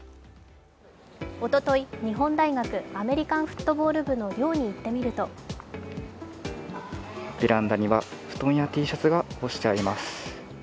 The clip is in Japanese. おととい、日本大学アメリカンフットボール部の寮に行ってみるとベランダには布団やＴシャツが干してあります。